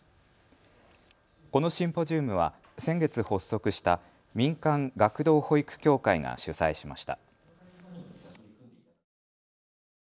このシンポジウムは先月発足した民間学童保育協会が主催しました。